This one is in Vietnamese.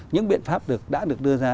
những biện pháp đã được đưa ra